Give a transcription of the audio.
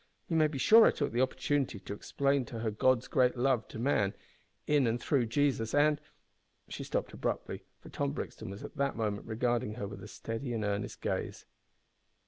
You may be sure I took the opportunity to explain to her God's great love to man in and through Jesus, and " She stopped abruptly, for Tom Brixton was at that moment regarding her with a steady and earnest gaze.